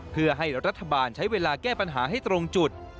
เพื่อให้รัฐบาลใช้เวลาแก้ปัญหาให้ตรงจุด